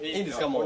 もう。